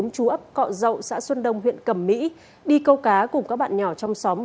chú ấp cọ dậu xã xuân đông huyện cầm mỹ đi câu cá cùng các bạn nhỏ trong xóm